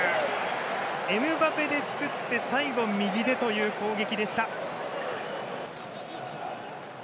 エムバペで作って最後、右でという攻撃でした。